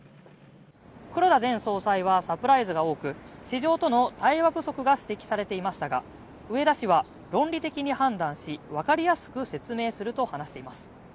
黒田前総裁はサプライズが多く、市場との対話不足が指摘されていましたが、植田氏は論理的に判断し、わかりやすく説明すると話しています。